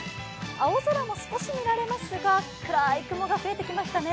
青空も少し見られますが、暗い雲が増えてきましたね。